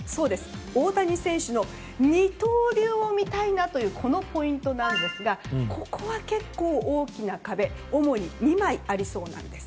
大谷選手の二刀流を見たいなというポイントなんですがここは、結構大きな壁が主に２枚ありそうです。